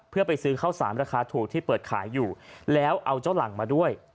เพื่อไปซื้อข้าวสารราคาถูกที่เปิดขายอยู่แล้วเอาเจ้าหลังมาด้วย